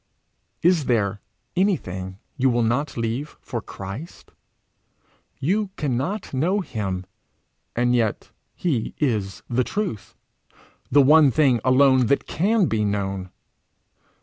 Is there then anything you will not leave for Christ? You cannot know him and yet he is the Truth, the one thing alone that can be known!